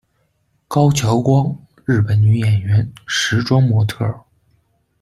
高桥光，日本女演员、时装模特儿。